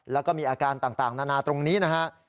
แล้วก็มีอาการต่างนานาตรงนี้นะฮะ